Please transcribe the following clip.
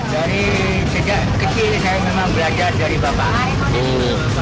dari sejak kecil saya memang belajar dari bapak